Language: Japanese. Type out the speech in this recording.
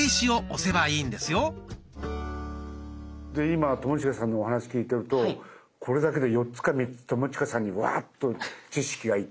今友近さんのお話聞いてるとこれだけで４つか３つ友近さんにわっと知識が行ってですね